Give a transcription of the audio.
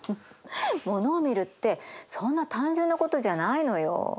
ものを見るってそんな単純なことじゃないのよ。